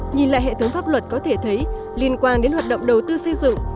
nhìn lại hệ thống pháp luật có thể thấy liên quan đến hoạt động đầu tư xây dựng